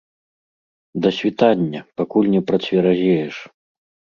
Да світання, пакуль не працверазееш.